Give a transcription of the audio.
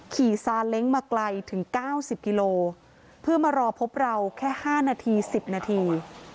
ซาเล้งมาไกลถึง๙๐กิโลเพื่อมารอพบเราแค่๕นาที๑๐นาที